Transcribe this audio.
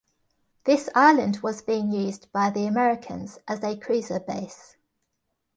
This island was being used by the Americans as a cruiser base.